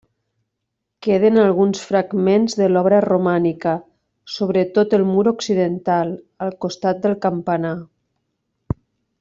Queden alguns fragments de l'obra romànica, sobretot el mur occidental, al costat del campanar.